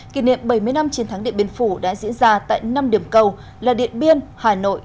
kỷ niệm bảy mươi năm chiến thắng điện biên phủ đã diễn ra tại năm điểm cầu là điện biên hà nội